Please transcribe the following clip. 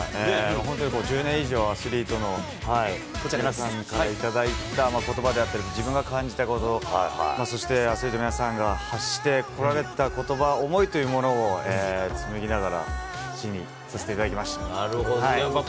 本当に１０年以上、アスリートの皆さんから頂いたことばであったり、自分が感じたこと、そしてアスリートの皆さんが発してこられた思いというものを、紡ぎながら、なるほど。